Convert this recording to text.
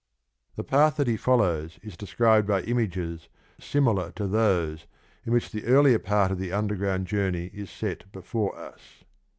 The path that he follows is described by images similar to those in which the earlier part of the under ground journey is set before us.